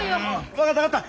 分かった分かった。